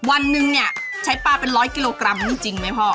วันหนึ่งเนี่ยใช้ปลาเป็นร้อยกิโลกรัมนี่จริงไหมพ่อ